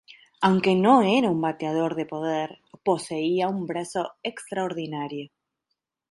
Aunque no era un bateador de poder, poseía un brazo extraordinario.